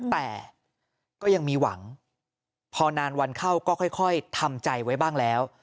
แต่ก็ยังมีหวังพอนานวันเข้าก็ค่อยทำใจไว้บ้างแล้ว